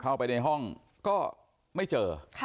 เข้าไปในห้องก็ไม่เจอ